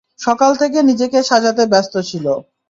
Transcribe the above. সকাল থেকে নিজেকে সাজাতে ব্যস্ত ছিল।